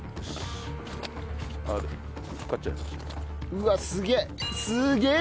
うわっすげえ！